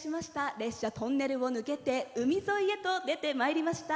列車、トンネルを抜けて海沿いへと出てまいりました。